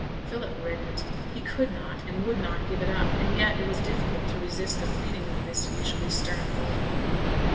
Philip reddened. He could not and would not give it up, and yet it was difficult to resist the pleading of the usually stern old woman.